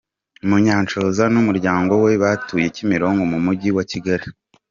Munyanshoza n’umuryango we batuye Kimironko mu Mujyi wa Kigali.